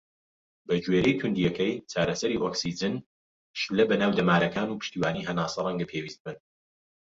بەگوێرەی تووندیەکەی، چارەسەری ئۆکسجین، شلە بە ناو دەمارەکان، و پشتیوانی هەناسە ڕەنگە پێویست بن.